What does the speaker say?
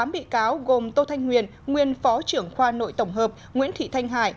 tám bị cáo gồm tô thanh nguyên nguyên phó trưởng khoa nội tổng hợp nguyễn thị thanh hải